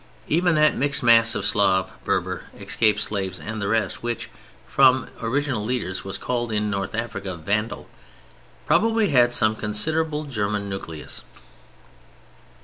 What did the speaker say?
Even that mixed mass of Slav, Berber, escaped slaves and the rest which, from original leaders was called in North Africa "Vandal," probably had some considerable German nucleus.